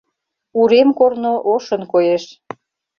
Урем корно ошын коеш.